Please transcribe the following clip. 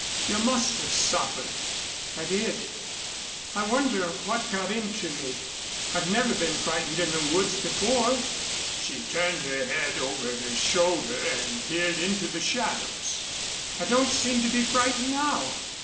"You must have suffered." "I did I wonder what got into me. I've never been frightened in the woods before." She turned her head over her shoulder and peered into the shadows. "I don't seem to be frightened now."